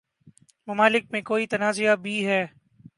ممالک میں کوئی تنازع بھی ہے